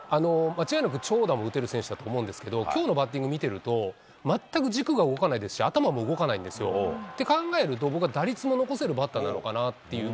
間違いなく長打も打てる選手だと思うんですけど、きょうのバッティング見てると、全く軸が動かないですし、頭も動かないんですよ。って考えると、僕は打率も残せるバッターなのかなっていう。